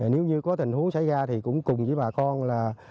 nếu như có tình huống xảy ra thì cũng cùng với bà con là